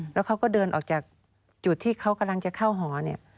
แล้วเขาก็เดินออกจากจุดที่เขากำลังจะเข้าหอเนี่ย